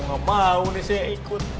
aku tidak mau saya ikut